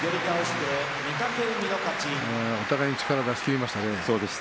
お互いに力を出し切りましたね。